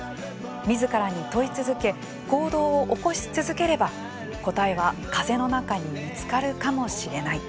みずからに問い続け行動を起こし続ければ答えは風の中に見つかるかもしれない。